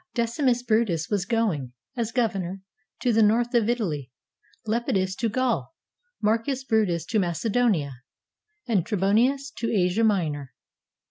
Decimus Brutus was going, as governor, to the north of Italy, Lepidus to Gaul, Marcus Brutus to Macedonia, and Trebonius to Asia Minor.